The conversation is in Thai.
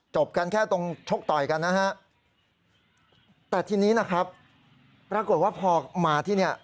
กันแค่ตรงชกต่อยกันนะฮะแต่ทีนี้นะครับปรากฏว่าพอมาที่เนี่ย